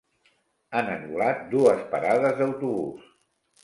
Han anul·lat dues parades d'autobús.